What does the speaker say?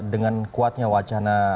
dengan kuatnya wacana